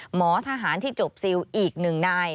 หมอทหารที่จบซิลอีก๑นาย